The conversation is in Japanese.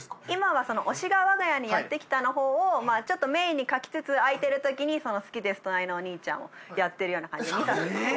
今は推しが我が家にやってきた！をちょっとメインに描きつつ空いてるときに好きです、となりのお兄ちゃん。をやってるような感じです。